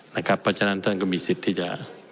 เพราะฉะนั้นท่านก็มีสิทธิ์ที่จะ